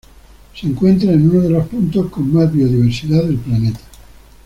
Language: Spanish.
Se encuentra en uno de los puntos con más Biodiversidad del planeta.